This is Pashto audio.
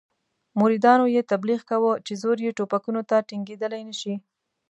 مریدانو یې تبلیغ کاوه چې زور یې ټوپکونو ته ټینګېدلای نه شي.